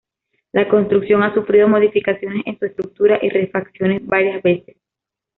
La construcción ha sufrido modificaciones en su estructura y refacciones varias veces.